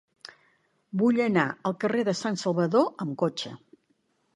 Vull anar al carrer de Sant Salvador amb cotxe.